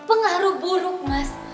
pengaruh buruk mas